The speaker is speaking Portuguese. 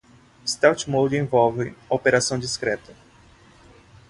Stealth Mode envolve operação discreta.